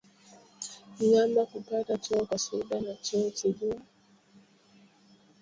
Mnyama kupata choo kwa shida na choo kigumu